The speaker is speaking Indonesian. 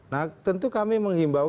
nah tentu kami menghimbau